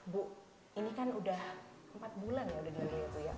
bu ini kan udah empat bulan ya udah dipilih itu ya